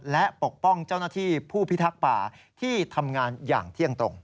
และปกป้องเจ้าหน้าที่ผู้พิทักษ์ป่าที่ทำงานอย่างเที่ยงตรง